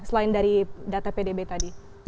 selain dari data pdb tadi